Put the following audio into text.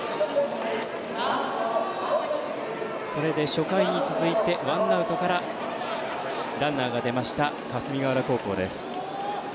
初回に続いて、ワンアウトからランナーが出ました霞ヶ浦高校です。